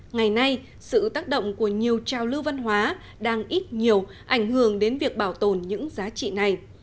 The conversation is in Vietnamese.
ngày nay sự tác động của nhiều trào lưu văn hóa đang ít nhiều ảnh hưởng đến việc bảo tồn những giá trị này